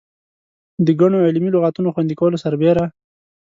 د ګڼو علمي لغاتو خوندي کولو سربېره.